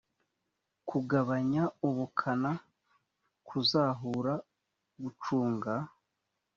kugabanya ubukana kuzahura gucunga